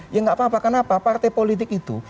ya gak apa apa karena apa partai politik itu